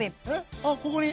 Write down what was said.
あここに？